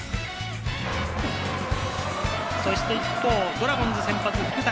一方、ドラゴンズ先発・福谷。